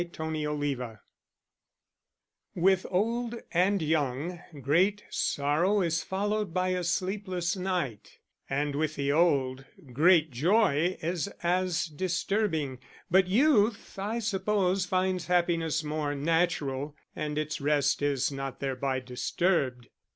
Chapter III With old and young great sorrow is followed by a sleepless night, and with the old great joy is as disturbing; but youth, I suppose, finds happiness more natural and its rest is not thereby disturbed.